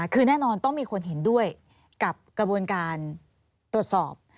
คือแน่นอนต้องมีคนเห็นด้วยกับกระบวนการตรวจสอบ